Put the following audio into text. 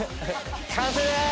完成です！